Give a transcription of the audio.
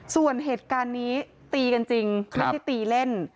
ส่วนเหตุการณ์นี้ตีกันจริงไม่ใช่ตีเล่น